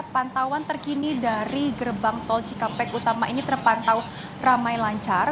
pantauan terkini dari gerbang tol cikampek utama ini terpantau ramai lancar